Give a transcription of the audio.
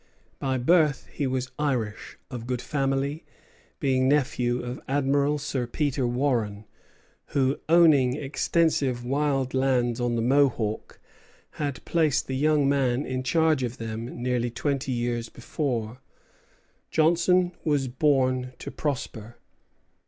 By birth he was Irish, of good family, being nephew of Admiral Sir Peter Warren, who, owning extensive wild lands on the Mohawk, had placed the young man in charge of them nearly twenty years before. Johnson was born to prosper.